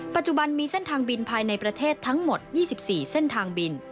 ปัจจุบันมีเส้นทางบินภายในประเทศทั้งหมด๒๔เส้นทางบิน